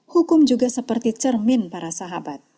hukum juga seperti cermin para sahabat